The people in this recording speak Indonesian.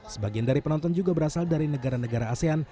sebagian dari penonton juga berasal dari negara negara asean